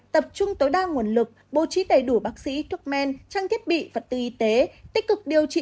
tập trung tối đa nguồn lực bố trí đầy đủ bác sĩ thuốc men trang thiết bị vật tư y tế tích cực điều trị